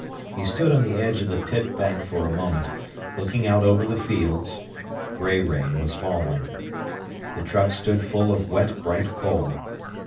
He stood on the edge of the pit bank for a moment, looking out over the fields; grey rain was falling. The trucks stood full of wet, bright coal.